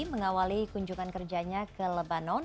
mengawali kunjungan kerjanya ke lebanon